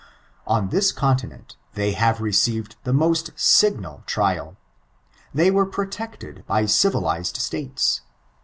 On thia continent^ they have received the moat lignal triaL They were protected by civilised States.